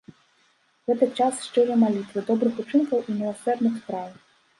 Гэта час шчырай малітвы, добрых учынкаў і міласэрных спраў.